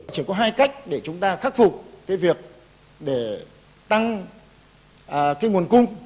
chỉ có hai cách để chúng ta khắc phục cái việc để tăng cái nguồn cung